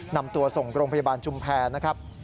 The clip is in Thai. นำตัวส่งโรงพยาบาลชุมแพรนะครับ